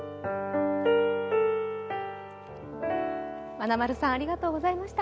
まなまるさんありがとうございました。